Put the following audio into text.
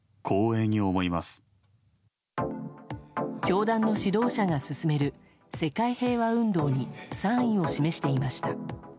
教団の指導者が進める世界平和運動に賛意を示していました。